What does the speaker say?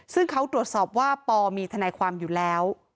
ซึ่งเขาตรวจสอบว่าปมีทนายความอยู่แล้ว